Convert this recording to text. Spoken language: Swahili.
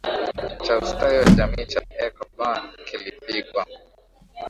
cha Ustawi wa jamii cha Erbakan kilipigwa